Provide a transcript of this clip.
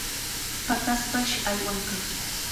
Paqaspash aywanqa.